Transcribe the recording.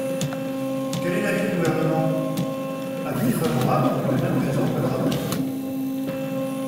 Quel est l’avis du Gouvernement ? Avis défavorable, pour les mêmes raisons que la rapporteure.